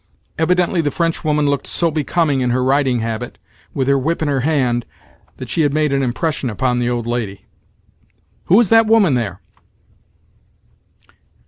Evidently the Frenchwoman looked so becoming in her riding habit, with her whip in her hand, that she had made an impression upon the old lady. "Who is that woman there?"